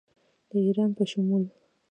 د ایران په شمول